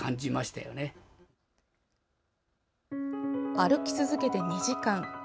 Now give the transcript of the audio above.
歩き続けて２時間。